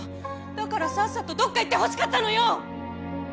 だからさっさとどっか行ってほしかったのよ！